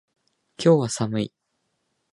今日は寒い